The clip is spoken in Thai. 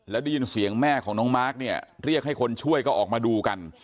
แล้วได้ยินเสียงแม่ของน้องมาร์คเนี่ยเรียกให้คนช่วยก็ออกมาดูกัน